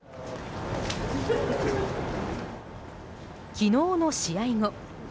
昨日の試合後